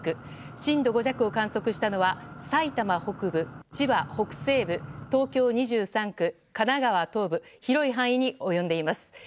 震度５弱を観測したのは埼玉北部千葉北西部、東京２３区神奈川東部、広い範囲に及んでいます。